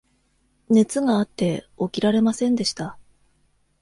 熱があって、起きられませんでした。